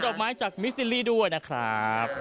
ขอบคุณดอกไม้จากมิสลิลี่ด้วยนะครับ